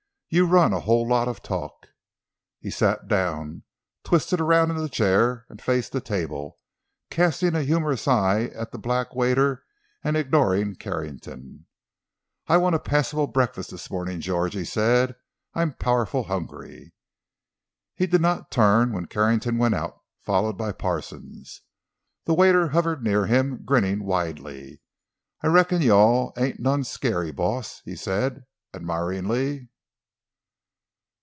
"You run a whole lot to talk." He sat down, twisted around in the chair and faced the table, casting a humorous eye at the black waiter, and ignoring Carrington. "I'll want a passable breakfast this morning, George," he said; "I'm powerful hungry." He did not turn when Carrington went out, followed by Parsons. The waiter hovered near him, grinning widely. "I reckon you all ain't none scary, boss!" he said, admiringly.